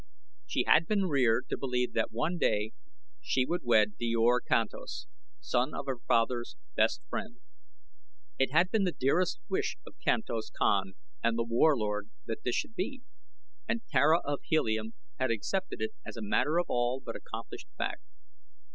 She had been reared to believe that one day she should wed Djor Kantos, son of her father's best friend. It had been the dearest wish of Kantos Kan and The Warlord that this should be, and Tara of Helium had accepted it as a matter of all but accomplished fact.